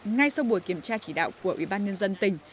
ngay sau buổi kiểm tra chỉ đạo của ủy ban nhân dân tỉnh